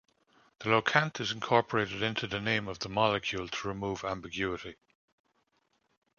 The locant is incorporated into the name of the molecule to remove ambiguity.